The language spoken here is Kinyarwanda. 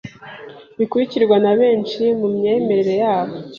bikurikirwa na benshi mu myemerere yabo,